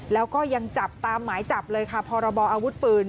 แล้วก็ยังจับตามหมายจับเลยค่ะพรบออาวุธปืน